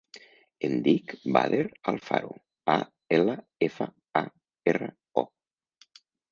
Em dic Badr Alfaro: a, ela, efa, a, erra, o.